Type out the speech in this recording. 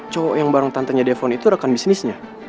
cowok yang bareng tantanya devon itu rekan bisnisnya